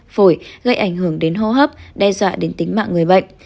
phổi gây ảnh hưởng đến hô hấp đe dọa đến tính mạng người bệnh